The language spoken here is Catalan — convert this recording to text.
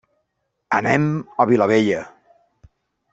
Anem a Vilabella.